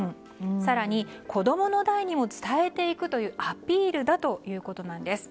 更に子供の代にも伝えていくというアピールだということなんです。